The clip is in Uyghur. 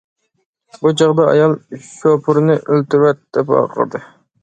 بۇ چاغدا ئايال : «شوپۇرنى ئۆلتۈرۈۋەت! » دەپ ۋارقىرىدى.